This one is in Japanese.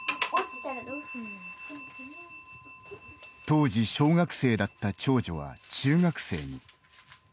当時、小学生だった長女は中学生に。